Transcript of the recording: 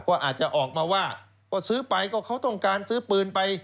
ก็อาจจะออกมาว่าก็ซื้อไปก็เขาต้องการซื้อปืนไป